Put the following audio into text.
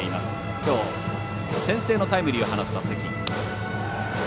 きょう先制のタイムリーを放った、関。